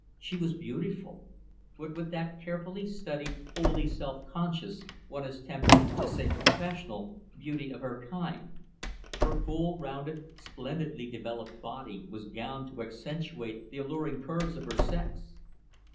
She was beautiful; but with that carefully studied, wholly self conscious one is tempted to say professional beauty of her kind. Her full rounded, splendidly developed body was gowned to accentuate the alluring curves of her sex.